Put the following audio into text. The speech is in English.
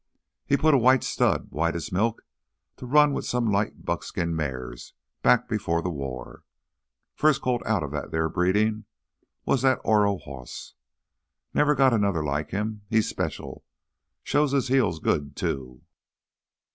"He put a white stud—white as milk—to run with some light buckskin mares back 'fore th' war. First colt out of that thar breedin' was that Oro hoss. Never got 'nother like him; he's special. Shows his heels good, too.